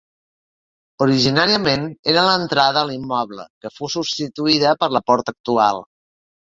Originàriament era l'entrada a l'immoble que fou substituïda per la porta actual.